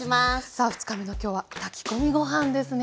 さあ２日目のきょうは炊き込みご飯ですね？